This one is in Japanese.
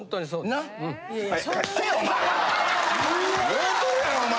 もうとるやろお前！